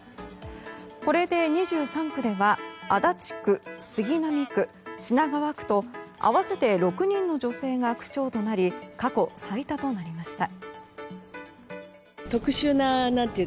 これで２３区では足立区、杉並区、品川区と合わせて６人の女性が区長となり過去最多となりました。